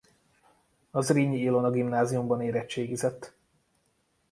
A Zrínyi Ilona Gimnáziumban érettségizett.